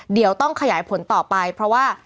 เดี๋ยวต้องขยายผลต่อไปเพราะว่า